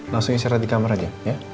langsung istirahat di kamar aja